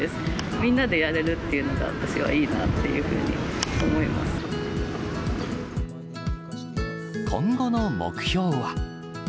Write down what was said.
みんなでやれるっていうのが、私はいいなっていうふうに思いま今後の目標は。